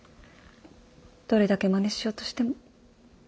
どれだけまねしようとしても。